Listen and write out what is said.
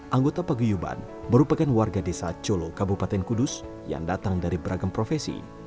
anggota paguyuban merupakan warga desa colo kabupaten kudus yang datang dari beragam profesi